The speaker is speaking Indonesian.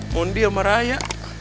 mondi sama raya